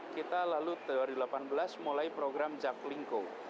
kita lalu dua ribu delapan belas mulai program jaklingko